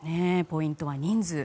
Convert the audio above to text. ポイントは人数。